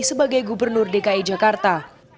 sebagai gubernur dki jakarta